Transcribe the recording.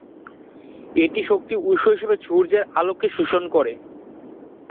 এটা শক্তির উৎস হিসাবে সূর্যের আলোকে শোষণ করে।